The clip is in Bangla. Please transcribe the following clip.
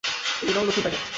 এই নাও নতুন প্যাকেট।